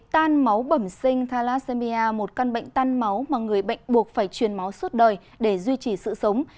tan máu bẩm sinh thalassemia một căn bệnh tan máu mà người bệnh buộc phải truyền máu suốt đời để duy trì sự sống